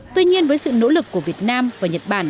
tuy nhiên với sự nỗ lực của việt nam và nhật bản